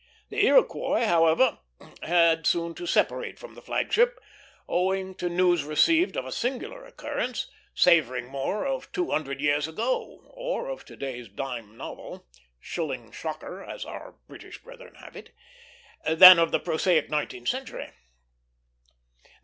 The Iroquois, however, had soon to separate from the flag ship, owing to news received of a singular occurrence, savoring more of two hundred years ago, or of to day's dime novel "shilling shocker," as our British brethren have it than of the prosaic nineteenth century.